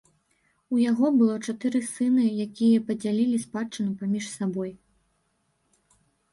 У яго было чатыры сыны, якія падзялілі спадчыну паміж сабой.